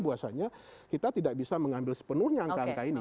bahwasanya kita tidak bisa mengambil sepenuhnya angka angka ini